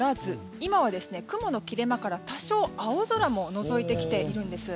今は雲の切れ間から多少、青空ものぞいてきているんです。